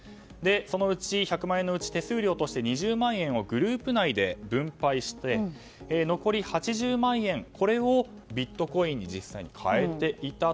その１００万円のうち手数料として２０万円をグループ内で分配して残り８０万円、これをビットコインに実際に替えていた。